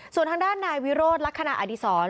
ส่วนทางด้านนายวิโรธลักษณะอดีศร